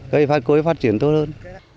cây cối phát triển tốt hơn